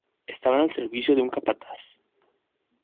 Estaban al servicio de un capataz.